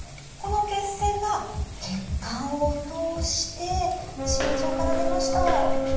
この血栓が血管を通して心臓から出ました。